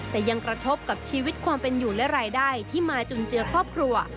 แต่ยังกระทบกับชีวิตความเป็นอยู่และรายได้ที่มาจุนเจือครอบครัว